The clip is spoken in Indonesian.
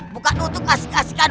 bukan untuk kaskan kaskan